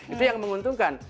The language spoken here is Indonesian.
itu yang menguntungkan